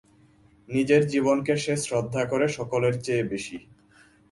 নিজের জীবনকে সে শ্রদ্ধা করে সকলের চেয়ে বেশি।